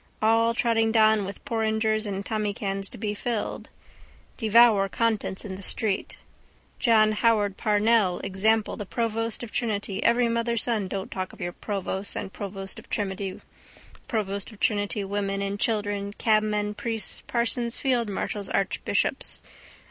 All trotting down with porringers and tommycans to be filled. Devour contents in the street. John Howard Parnell example the provost of Trinity every mother's son don't talk of your provosts and provost of Trinity women and children cabmen priests parsons fieldmarshals archbishops.